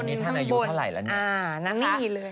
อันนี้ขั้นอายุเท่าไร